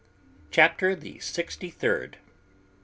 CHAPTER THE SIXTY THIRD.